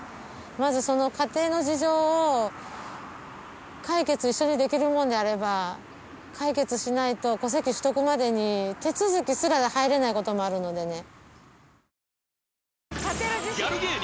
まずその家庭の事情を解決一緒にできるものであれば解決しないと戸籍取得までに手続きすら入れないこともあるのでね